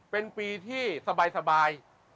เป็นปีที่สบาย